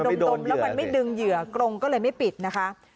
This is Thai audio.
ดมแล้วมันไม่ดึงเหยื่อกรงก็เลยไม่ปิดนะคะ